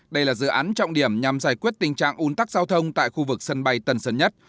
đây là dự án trọng điểm nhằm giải quyết tình trạng un tắc giao thông tại khu vực sân bay tân sơn nhất